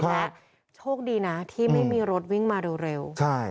และโชคดีนะที่ไม่มีรถวิ่งมาเร็ว